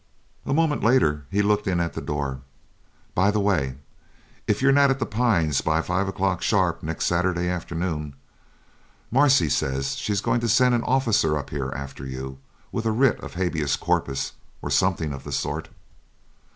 A moment later he looked in at the door. "By the way, if you're not at The Pines by five o'clock sharp next Saturday afternoon, Marcia says she's going to send an officer up here after you with a writ of habeas corpus, or something of the sort."